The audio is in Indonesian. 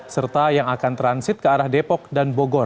serta yang akan transit ke arah depok dan bogor